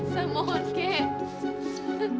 saya mohon kek